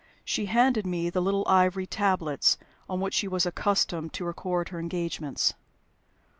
She handed me the little ivory tablets on which she was accustomed to record her engagements.